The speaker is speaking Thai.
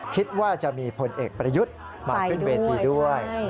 คิดว่าจะมีผลเอกประยุทธ์มาขึ้นเวทีด้วย